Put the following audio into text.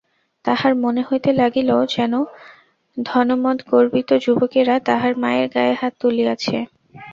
তাহার মনে হইতে লাগিল যেন ধনমদগর্বিত যুবকেরা তাহার মায়ের গায়ে হাত তুলিয়াছে।